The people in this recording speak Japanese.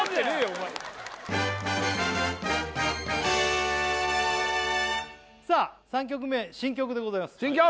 お前さあ３曲目新曲でございます新曲！